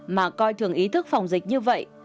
mà coi thường ý thức phòng dịch như vậy